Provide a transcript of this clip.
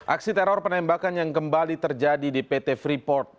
aksi teror penembakan yang kembali terjadi di pt freeport